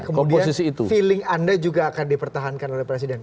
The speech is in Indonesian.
kemudian feeling anda juga akan dipertahankan oleh presiden